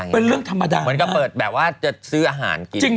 เป็นเรื่องธรรมดาเหมือนกับเปิดแบบว่าจะซื้ออาหารกิน